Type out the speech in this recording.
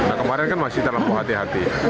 nah kemarin kan masih terlampau hati hati